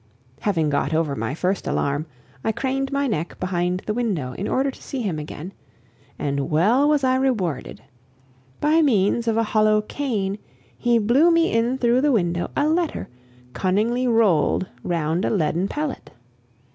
Having got over my first alarm, I craned my neck behind the window in order to see him again and well was I rewarded! By means of a hollow cane he blew me in through the window a letter, cunningly rolled round a leaden pellet.